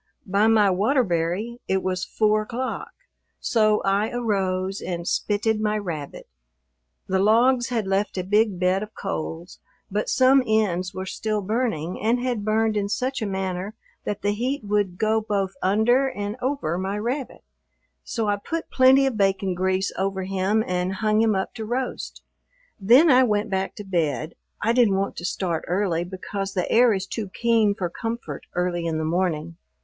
By my Waterbury it was four o'clock, so I arose and spitted my rabbit. The logs had left a big bed of coals, but some ends were still burning and had burned in such a manner that the heat would go both under and over my rabbit. So I put plenty of bacon grease over him and hung him up to roast. Then I went back to bed. I didn't want to start early because the air is too keen for comfort early in the morning.